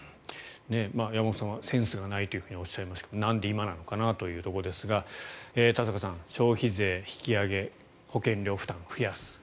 山本さんはセンスがないとおっしゃいましたがなんで今なのかなというところですが田坂さん、消費税引き上げ保険料負担増やすと。